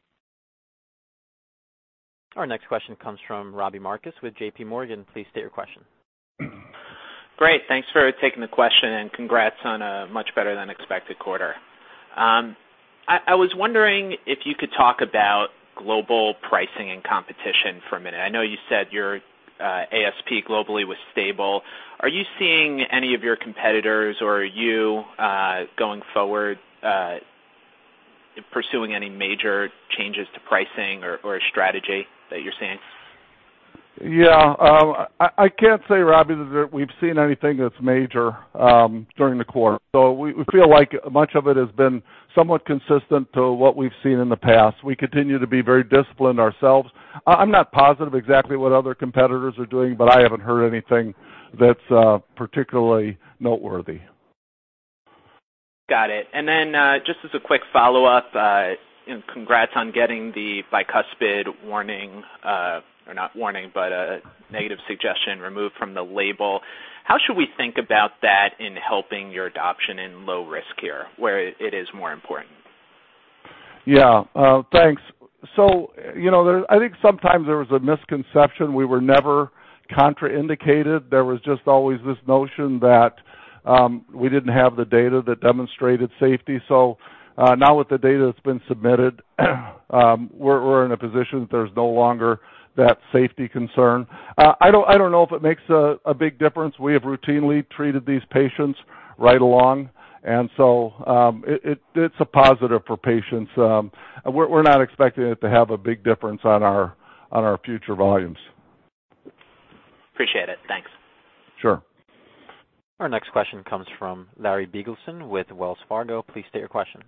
Speaker 1: Our next question comes from Robbie Marcus with JPMorgan. Please state your question.
Speaker 9: Great. Thanks for taking the question. Congrats on a much better than expected quarter. I was wondering if you could talk about global pricing and competition for a minute. I know you said your ASP globally was stable. Are you seeing any of your competitors or are you, going forward pursuing any major changes to pricing or strategy that you're seeing?
Speaker 3: Yeah. I can't say Robbie, that we've seen anything that's major during the quarter. We feel like much of it has been somewhat consistent to what we've seen in the past. We continue to be very disciplined ourselves. I'm not positive exactly what other competitors are doing, but I haven't heard anything that's particularly noteworthy.
Speaker 9: Got it. Then, just as a quick follow-up, and congrats on getting the bicuspid warning, or not warning, but a negative suggestion removed from the label. How should we think about that in helping your adoption in low risk here, where it is more important?
Speaker 3: Yeah. Thanks. I think sometimes there was a misconception we were never contraindicated. There was just always this notion that we didn't have the data that demonstrated safety. Now with the data that's been submitted, we're in a position that there's no longer that safety concern. I don't know if it makes a big difference. We have routinely treated these patients right along, and so it's a positive for patients. We're not expecting it to have a big difference on our future volumes.
Speaker 9: Appreciate it. Thanks.
Speaker 3: Sure.
Speaker 1: Our next question comes from Larry Biegelsen with Wells Fargo. Please state your question.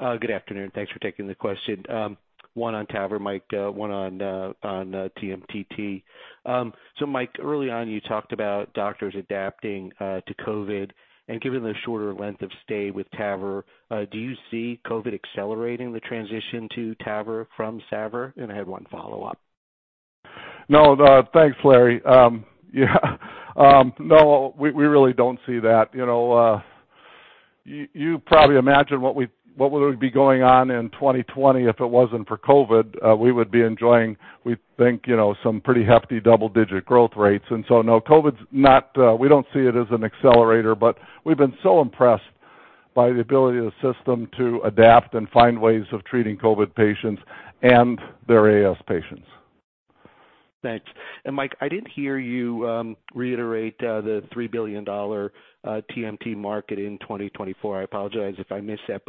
Speaker 10: Good afternoon. Thanks for taking the question. One on TAVR, Mike, one on TMTT. Mike, early on, you talked about doctors adapting to COVID and given the shorter length of stay with TAVR, do you see COVID accelerating the transition to TAVR from SAVR? I had one follow-up.
Speaker 3: No. Thanks Larry. No, we really don't see that. You probably imagine what would be going on in 2020 if it wasn't for COVID. We would be enjoying, we think, some pretty hefty double-digit growth rates. No, we don't see it as an accelerator. We've been so impressed by the ability of the system to adapt and find ways of treating COVID patients and their AS patients.
Speaker 10: Thanks. Mike, I didn't hear you reiterate the $3 billion TMTT market in 2024. I apologize if I missed that.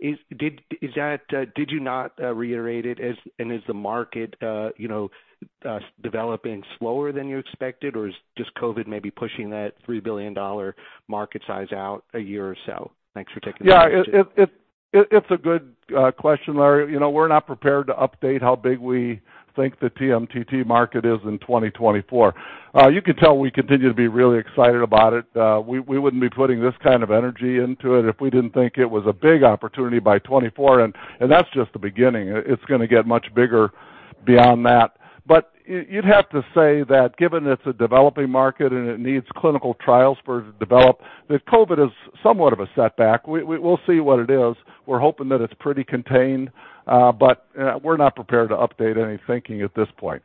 Speaker 10: Did you not reiterate it, and is the market developing slower than you expected? Is just COVID maybe pushing that $3 billion market size out a year or so? Thanks for taking the question.
Speaker 3: Yeah. It's a good question Larry. We're not prepared to update how big we think the TMTT market is in 2024. You can tell we continue to be really excited about it. We wouldn't be putting this kind of energy into it if we didn't think it was a big opportunity by 2024, and that's just the beginning. It's going to get much bigger beyond that. You'd have to say that given it's a developing market and it needs clinical trials for it to develop, that COVID is somewhat of a setback. We'll see what it is. We're hoping that it's pretty contained. We're not prepared to update any thinking at this point.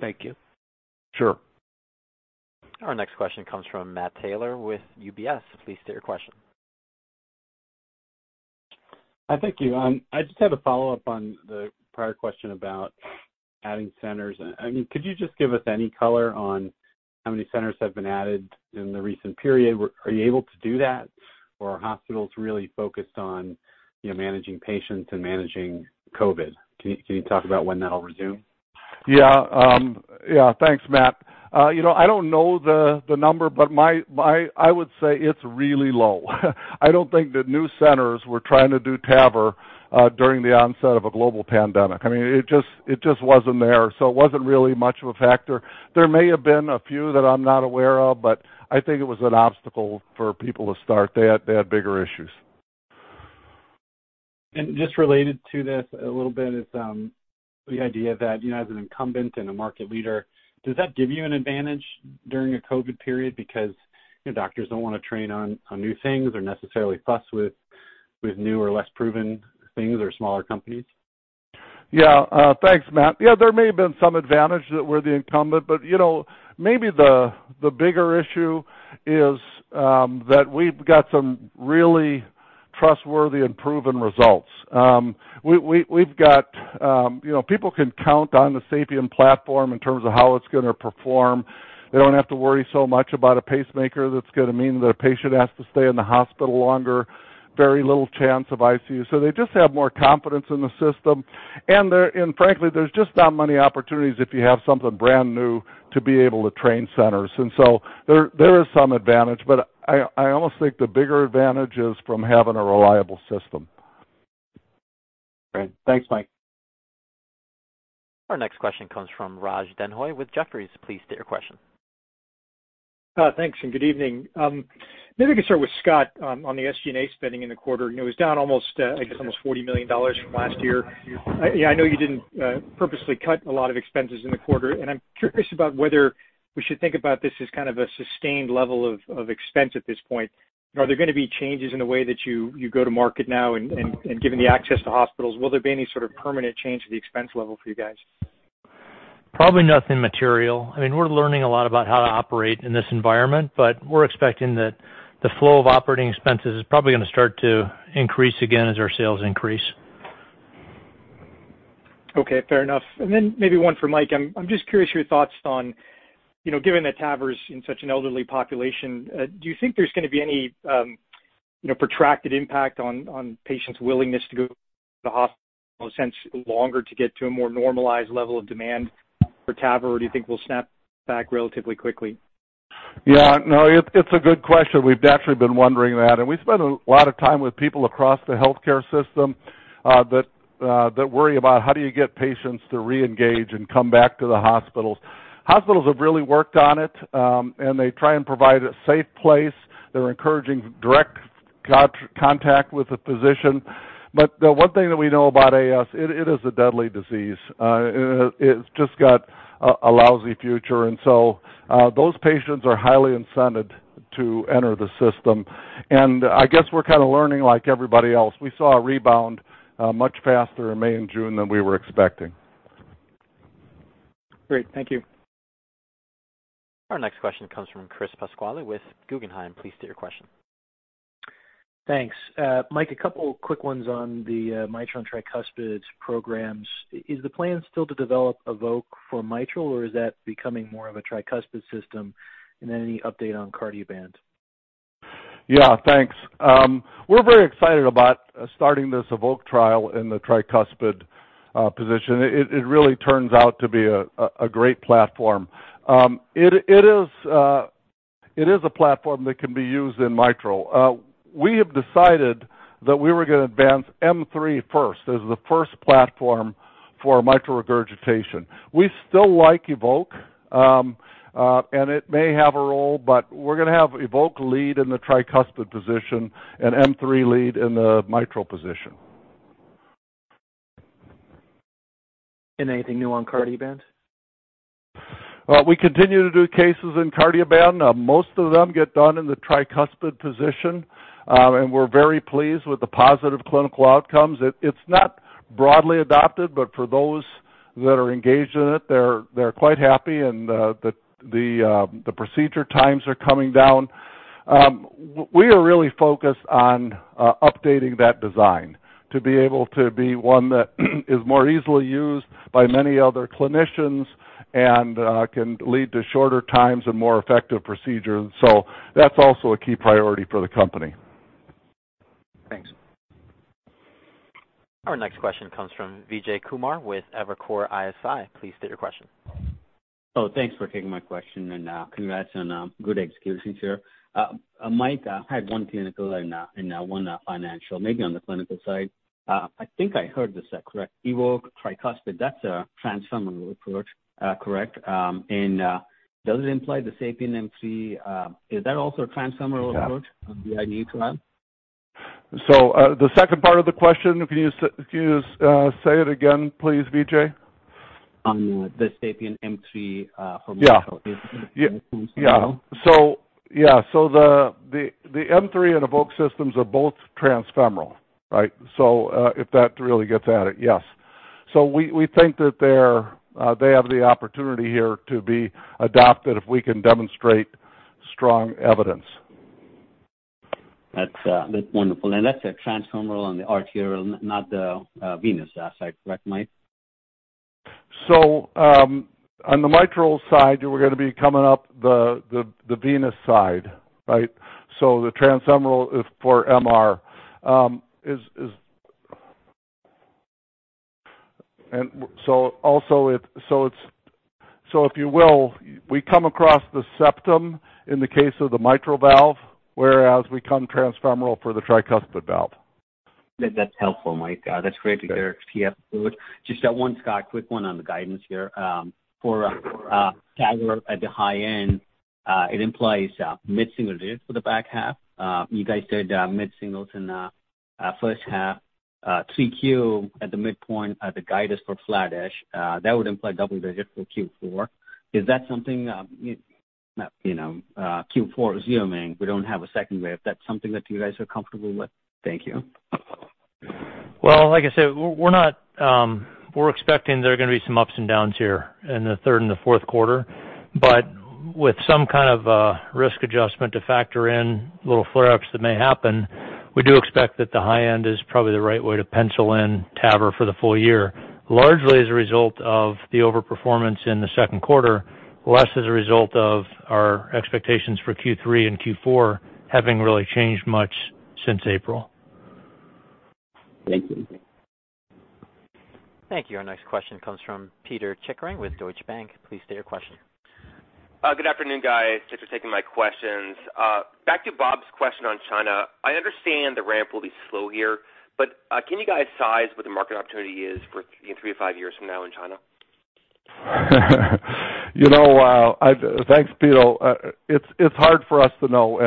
Speaker 10: Thank you.
Speaker 3: Sure.
Speaker 1: Our next question comes from Matt Taylor with UBS. Please state your question.
Speaker 11: Thank you. I just had a follow-up on the prior question about adding centers. Could you just give us any color on how many centers have been added in the recent period? Are you able to do that, or are hospitals really focused on managing patients and managing COVID? Can you talk about when that'll resume?
Speaker 3: Yeah. Thanks Matt. I don't know the number, but I would say it's really low. I don't think that new centers were trying to do TAVR during the onset of a global pandemic. It just wasn't there, so it wasn't really much of a factor. There may have been a few that I'm not aware of, but I think it was an obstacle for people to start. They had bigger issues.
Speaker 11: Just related to this a little bit is the idea that, as an incumbent and a market leader, does that give you an advantage during a COVID period because doctors don't want to train on new things or necessarily fuss with new or less proven things or smaller companies?
Speaker 3: Thanks Matt. There may have been some advantage that we're the incumbent, but maybe the bigger issue is that we've got some really trustworthy and proven results. People can count on the SAPIEN platform in terms of how it's going to perform. They don't have to worry so much about a pacemaker that's going to mean that a patient has to stay in the hospital longer. Very little chance of ICU. They just have more confidence in the system. Frankly, there's just not many opportunities if you have something brand new to be able to train centers. There is some advantage, but I almost think the bigger advantage is from having a reliable system.
Speaker 11: Great. Thanks Mike.
Speaker 1: Our next question comes from Raj Denhoy with Jefferies. Please state your question.
Speaker 12: Thanks and good evening. Maybe I could start with Scott on the SG&A spending in the quarter. It was down almost $40 million from last year. I know you didn't purposely cut a lot of expenses in the quarter, and I'm curious about whether we should think about this as kind of a sustained level of expense at this point. Are there going to be changes in the way that you go to market now and given the access to hospitals, will there be any sort of permanent change to the expense level for you guys?
Speaker 4: Probably nothing material. We're learning a lot about how to operate in this environment, but we're expecting that the flow of operating expenses is probably going to start to increase again as our sales increase.
Speaker 12: Okay, fair enough. Maybe one for Mike. I'm just curious your thoughts on, given that TAVR is in such an elderly population, do you think there's going to be any protracted impact on patients' willingness to go to the hospital since longer to get to a more normalized level of demand for TAVR or do you think we'll snap back relatively quickly?
Speaker 3: Yeah, no, it's a good question. We spend a lot of time with people across the healthcare system that worry about how do you get patients to reengage and come back to the hospitals. Hospitals have really worked on it, and they try and provide a safe place. They're encouraging direct contact with a physician. The one thing that we know about AS, it is a deadly disease. It's just got a lousy future. Those patients are highly incented to enter the system. I guess we're kind of learning like everybody else. We saw a rebound much faster in May and June than we were expecting.
Speaker 12: Great. Thank you.
Speaker 1: Our next question comes from Chris Pasquale with Guggenheim. Please state your question.
Speaker 13: Thanks. Mike, a couple quick ones on the mitral tricuspid programs. Is the plan still to develop EVOQUE for mitral, or is that becoming more of a tricuspid system? Then any update on Cardioband?
Speaker 3: Yeah, thanks. We're very excited about starting this EVOQUE trial in the tricuspid position. It really turns out to be a great platform. It is a platform that can be used in mitral. We have decided that we were going to advance M3 first as the first platform for mitral regurgitation. We still like EVOQUE, and it may have a role, but we're going to have EVOQUE lead in the tricuspid position and M3 lead in the mitral position.
Speaker 13: Anything new on Cardioband?
Speaker 3: We continue to do cases in Cardioband. Most of them get done in the tricuspid position, and we're very pleased with the positive clinical outcomes. It's not broadly adopted, but for those that are engaged in it, they're quite happy, and the procedure times are coming down. We are really focused on updating that design to be able to be one that is more easily used by many other clinicians and can lead to shorter times and more effective procedures. That's also a key priority for the company.
Speaker 13: Thanks.
Speaker 1: Our next question comes from Vijay Kumar with Evercore ISI. Please state your question.
Speaker 14: Thanks for taking my question. Congrats on good execution here. Mike, I had one clinical and one financial. Maybe on the clinical side. I think I heard this correct. EVOQUE tricuspid, that's a transfemoral approach, correct? Does it imply the SAPIEN M3? Is that also a transfemoral approach on the IDE trial?
Speaker 3: The second part of the question, can you say it again, please, Vijay?
Speaker 14: On the SAPIEN M3 for mitral-
Speaker 3: Yeah.
Speaker 14: Is it transfemoral?
Speaker 3: Yeah. The M3 and EVOQUE systems are both transfemoral. Right. If that really gets at it, yes. We think that they have the opportunity here to be adopted if we can demonstrate strong evidence.
Speaker 14: That's wonderful. That's a transfemoral on the arterial, not the venous side, correct, Mike?
Speaker 3: On the mitral side, we're going to be coming up the venous side. The transfemoral is for MR. If you will, we come across the septum in the case of the mitral valve, whereas we come transfemoral for the tricuspid valve.
Speaker 14: That's helpful, Mike. That's great to hear. Just one, Scott, quick one on the guidance here. For TAVR at the high end, it implies mid-single digits for the back half. You guys did mid-singles in the first half. 3Q at the midpoint of the guidance for flattish. Q4 assuming we don't have a second wave. That's something that you guys are comfortable with? Thank you.
Speaker 4: Well, like I said, we're expecting there are going to be some ups and downs here in the third and the fourth quarter, but with some kind of a risk adjustment to factor in little flare-ups that may happen, we do expect that the high end is probably the right way to pencil in TAVR for the full year, largely as a result of the over-performance in the second quarter, less as a result of our expectations for Q3 and Q4 having really changed much since April.
Speaker 14: Thank you.
Speaker 1: Thank you. Our next question comes from Pito Chickering with Deutsche Bank. Please state your question.
Speaker 15: Good afternoon guys. Thanks for taking my questions. Back to Bob's question on China. I understand the ramp will be slow here, but can you guys size what the market opportunity is for three to five years from now in China?
Speaker 3: Thanks Pito. It's hard for us to know.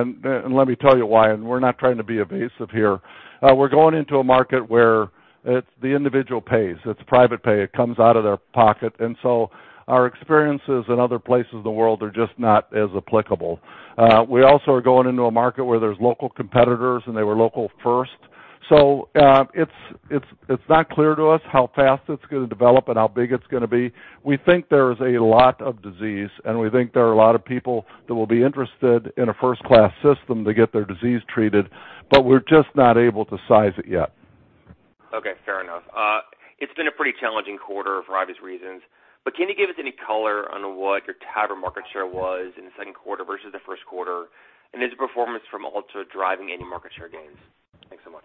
Speaker 3: Let me tell you why. We're not trying to be evasive here. We're going into a market where it's the individual pays. It's private pay. It comes out of their pocket. Our experiences in other places in the world are just not as applicable. We also are going into a market where there's local competitors. They were local first. It's not clear to us how fast it's going to develop and how big it's going to be. We think there is a lot of disease. We think there are a lot of people that will be interested in a first-class system to get their disease treated. We're just not able to size it yet.
Speaker 15: Okay. Fair enough. It's been a pretty challenging quarter for obvious reasons, but can you give us any color on what your TAVR market share was in the second quarter versus the first quarter? Is performance from Ultra driving any market share gains? Thanks so much.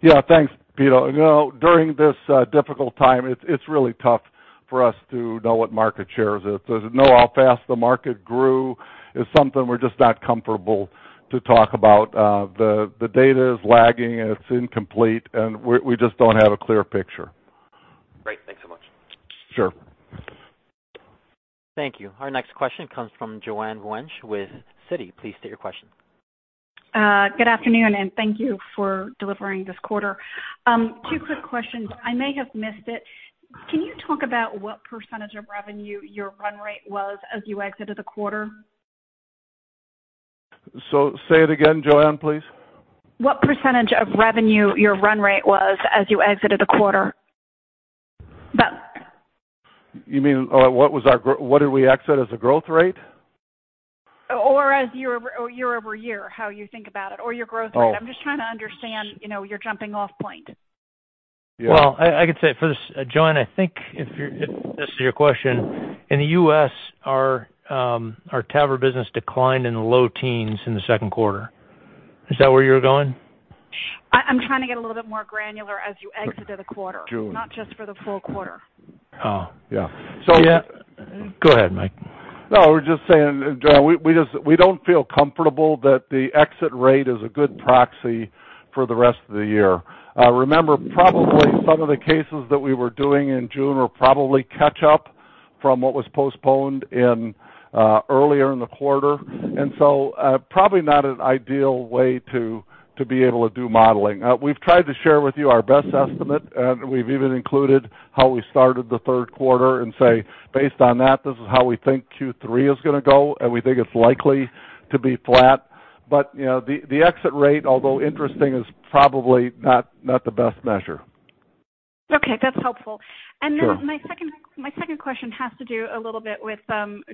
Speaker 3: Yeah. Thanks Pito. During this difficult time, it's really tough for us to know what market share is. To know how fast the market grew is something we're just not comfortable to talk about. The data is lagging, and it's incomplete, and we just don't have a clear picture.
Speaker 15: Great. Thanks so much.
Speaker 3: Sure.
Speaker 1: Thank you. Our next question comes from Joanne Wuensch with Citi. Please state your question.
Speaker 16: Good afternoon, thank you for delivering this quarter. Two quick questions. I may have missed it. Can you talk about what percentage of revenue your run rate was as you exited the quarter?
Speaker 3: Say it again, Joanne please.
Speaker 16: What percentage of revenue your run rate was as you exited the quarter?
Speaker 3: You mean what did we exit as a growth rate?
Speaker 16: As year-over-year, how you think about it, or your growth rate?
Speaker 3: Oh.
Speaker 16: I'm just trying to understand your jumping off point.
Speaker 3: Yeah.
Speaker 4: Well, I can say for this, Joanne, I think if this is your question, in the U.S., our TAVR business declined in the low teens in the second quarter. Is that where you were going?
Speaker 16: I'm trying to get a little bit more granular as you exited the quarter.
Speaker 3: June.
Speaker 16: Not just for the full quarter.
Speaker 4: Yeah. Go ahead, Mike.
Speaker 3: No, I was just saying, Joanne, we don't feel comfortable that the exit rate is a good proxy for the rest of the year. Remember, probably some of the cases that we were doing in June were probably catch-up from what was postponed earlier in the quarter. Probably not an ideal way to be able to do modeling. We've tried to share with you our best estimate, and we've even included how we started the third quarter and say, "Based on that, this is how we think Q3 is going to go, and we think it's likely to be flat." The exit rate, although interesting, is probably not the best measure.
Speaker 16: Okay. That's helpful.
Speaker 3: Sure.
Speaker 16: My second question has to do a little bit with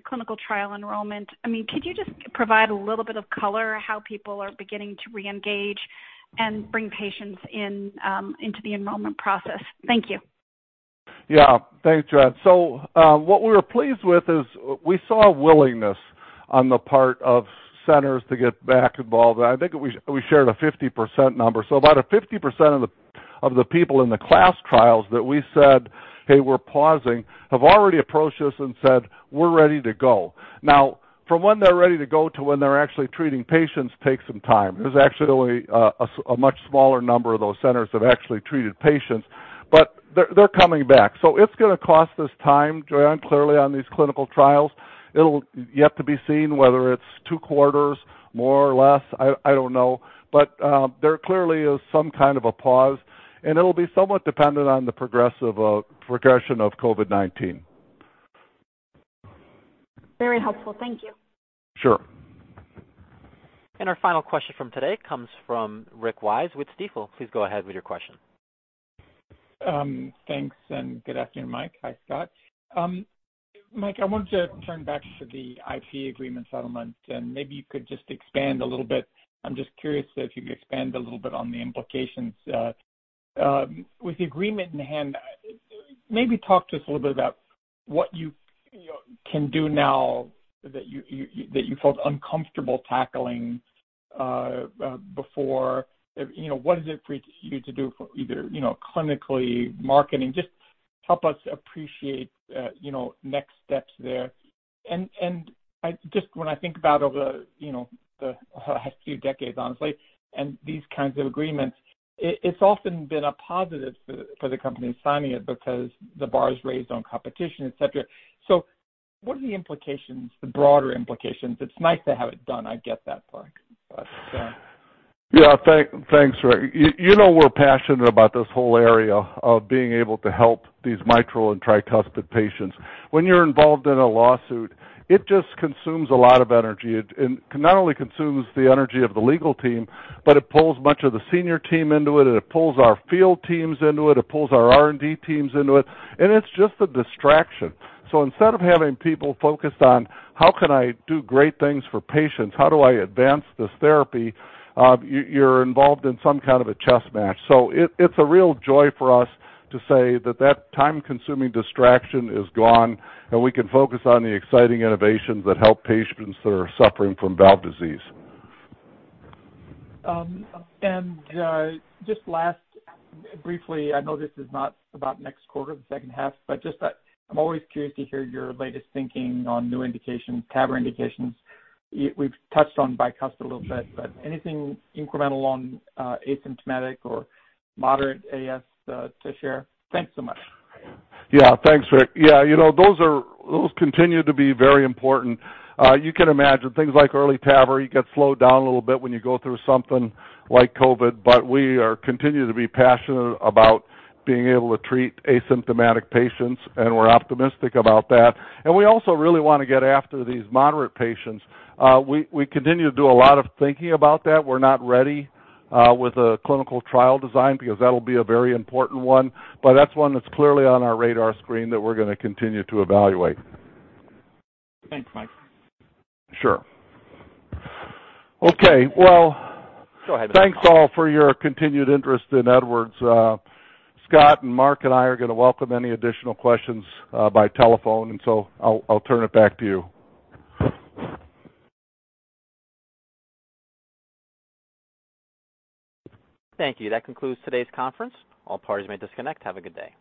Speaker 16: clinical trial enrollment. Could you just provide a little bit of color how people are beginning to reengage and bring patients into the enrollment process? Thank you.
Speaker 3: Yeah. Thanks Joanne. What we were pleased with is we saw a willingness on the part of centers to get back involved, and I think we shared a 50% number. About a 50% of the people in the CLASP trials that we said, "Hey, we're pausing," have already approached us and said, "We're ready to go." From when they're ready to go to when they're actually treating patients takes some time. There's actually only a much smaller number of those centers that have actually treated patients, but they're coming back. It's going to cost us time, Joanne, clearly on these clinical trials. It'll yet to be seen whether it's two quarters, more or less, I don't know. There clearly is some kind of a pause, and it'll be somewhat dependent on the progression of COVID-19.
Speaker 16: Very helpful. Thank you.
Speaker 3: Sure.
Speaker 1: Our final question from today comes from Rick Wise with Stifel. Please go ahead with your question.
Speaker 17: Thanks. Good afternoon Mike. Hi Scott. Mike, I wanted to turn back to the IP agreement settlement, and maybe you could just expand a little bit. I'm just curious if you could expand a little bit on the implications. With the agreement in hand, maybe talk to us a little bit about what you can do now that you felt uncomfortable tackling before. What is it for you to do for either clinically, marketing, just help us appreciate next steps there. Just when I think about over the last few decades, honestly, and these kinds of agreements, it's often been a positive for the company signing it because the bar is raised on competition, et cetera. What are the implications, the broader implications? It's nice to have it done, I get that part.
Speaker 3: Yeah. Thanks Rick. You know we're passionate about this whole area of being able to help these mitral and tricuspid patients. When you're involved in a lawsuit, it just consumes a lot of energy. It not only consumes the energy of the legal team, but it pulls much of the senior team into it pulls our field teams into it pulls our R&D teams into it, and it's just a distraction. Instead of having people focused on how can I do great things for patients, how do I advance this therapy, you're involved in some kind of a chess match. It's a real joy for us to say that that time-consuming distraction is gone, and we can focus on the exciting innovations that help patients that are suffering from valve disease.
Speaker 17: Just last, briefly, I know this is not about next quarter, the second half, but just that I'm always curious to hear your latest thinking on new indications, TAVR indications. We've touched on bicuspid a little bit. Anything incremental on asymptomatic or moderate AS to share? Thanks so much.
Speaker 3: Thanks Rick. Those continue to be very important. You can imagine things like early TAVR, you get slowed down a little bit when you go through something like COVID, but we continue to be passionate about being able to treat asymptomatic patients, and we're optimistic about that. We also really want to get after these moderate patients. We continue to do a lot of thinking about that. We're not ready with a clinical trial design because that'll be a very important one, but that's one that's clearly on our radar screen that we're going to continue to evaluate.
Speaker 17: Thanks Mike.
Speaker 3: Sure. Okay.
Speaker 1: Go ahead.
Speaker 3: Thanks all for your continued interest in Edwards. Scott and Mark and I are going to welcome any additional questions by telephone, and so I'll turn it back to you.
Speaker 1: Thank you. That concludes today's conference. All parties may disconnect. Have a good day.